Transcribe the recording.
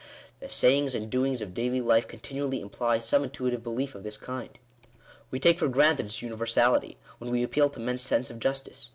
The sayings and doings of daily life continually imply some intuitive belief of this kind. We take for granted its uni versality, when we appeal to men's sense of justice.